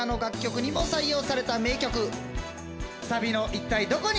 サビの一体どこに